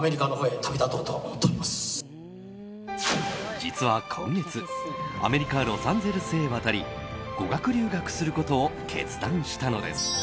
実は今月アメリカ・ロサンゼルスへ渡り語学留学することを決断したのです。